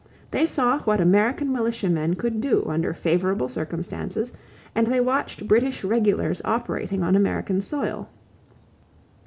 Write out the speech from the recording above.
They saw what American militiamen could do under favorable circumstances and they watched British regulars operating on American soil.